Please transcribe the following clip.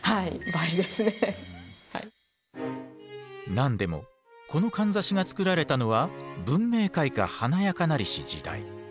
何でもこのかんざしが作られたのは文明開化華やかなりし時代。